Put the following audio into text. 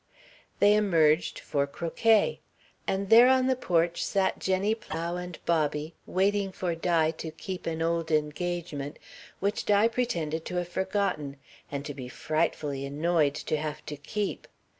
They emerged for croquet. And there on the porch sat Jenny Plow and Bobby, waiting for Di to keep an old engagement, which Di pretended to have forgotten, and to be frightfully annoyed to have to keep.